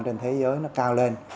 trên thế giới nó cao lên